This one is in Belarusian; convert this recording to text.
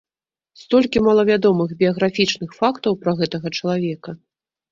Столькі малавядомых біяграфічных фактаў пра гэтага чалавека.